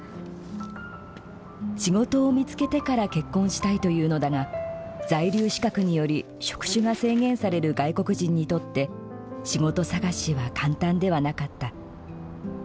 仕事を見つけてから結婚したいというのだが在留資格により職種が制限される外国人にとって仕事探しは簡単ではなかった。